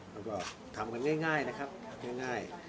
แล้วก็คือมีงานง่ายเป้าหมายที่ยังไงง่าย